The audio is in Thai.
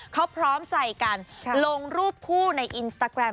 เขาพร้อมใจกันลงรูปคู่ในอินสตาแกรม